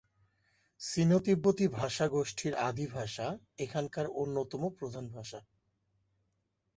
সিনো-তিব্বতি ভাষা গোষ্ঠীর আদি ভাষা এখানকার অন্যতম প্রধান ভাষা।